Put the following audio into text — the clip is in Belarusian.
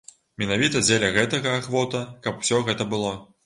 Менавіта дзеля гэтага ахвота, каб усё гэта было.